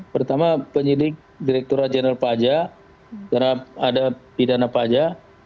pertama penyidik direktura jenderal pajak karena ada pidana pajak